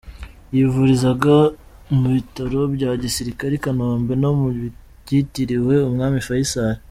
Yivurizaga mu Bitaro bya Gisirikare i Kanombe no mu Byitiriwe Umwami Faisal.